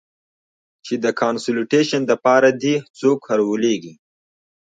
چې د کانسولټېشن د پاره دې څوک ارولېږي.